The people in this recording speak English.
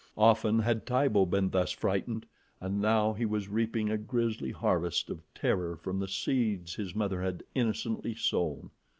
Often had Tibo been thus frightened, and now he was reaping a grisly harvest of terror from the seeds his mother had innocently sown.